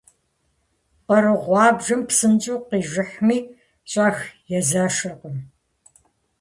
Къру гъуабжэм псынщӀэу къижыхьми, щӀэх езэшыркъым.